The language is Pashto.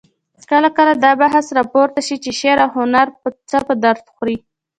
کله کله دا بحث راپورته شي چې شعر او هنر څه په درد خوري؟